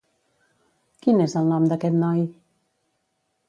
Quin és el nom d'aquest noi?